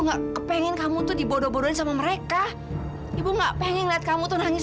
enggak kepengen kamu tuh dibodoh bodohin sama mereka ibu enggak pengen lihat kamu tuh nangis